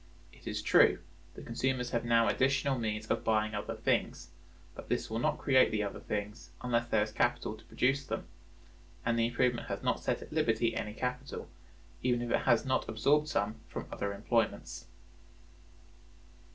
It is true, the consumers have now additional means of buying other things; but this will not create the other things, unless there is capital to produce them, and the improvement has not set at liberty any capital, even if it has not absorbed some from other employments.